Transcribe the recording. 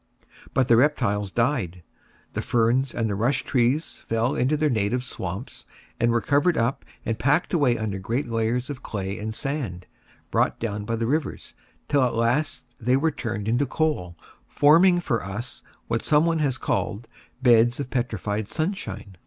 But the reptiles died; the ferns and the rush trees fell into their native swamps, and were covered up and packed away under great layers of clay and sand brought down by the rivers, till at last they were turned into coal, forming for us, what someone has called, beds of petrified sunshine.